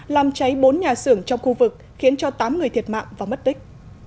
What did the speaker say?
làm cháy bốn nhà xưởng trong khu vực khiến cho tám người thiệt mạng và mất tích